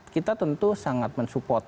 kita tentu sangat mensupport